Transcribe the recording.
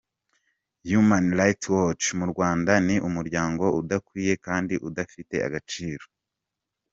Human Rights Watch mu Rwanda ni umuryango udakwiye kandi udafite agaciro.